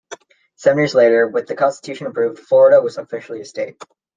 Seven years later, with the constitution approved, Florida was officially a state.